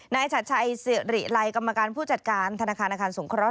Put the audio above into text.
นายชัดชัยเสร็จหลีไลกรรมการผู้จัดการธนาคารอาคารสงครอง